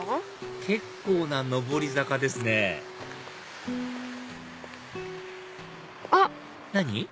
結構な上り坂ですねあっ！